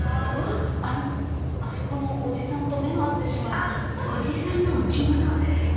あそこのおじさんと目が合ってしまいまして。